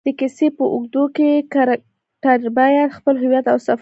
د کیسې په اوږدو کښي کرکټرباید خپل هویت اوصفات وساتي.